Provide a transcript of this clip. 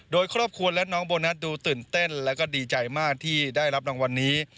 โดยครอบครัวและน้องโบนัสดูตื่นเต้นแล้วก็ดีใจมากที่ได้รับรางวัลนี้